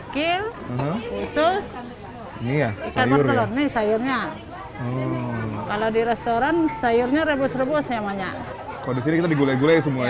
kalau di sini kita digulai gulai semua ya